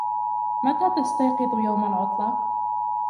متى تستيقظ يوم العطلة؟